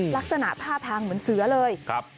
ลักษณะท่าทางเหมือนเสือเลย